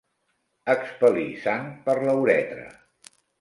Expel·lir sang per la uretra.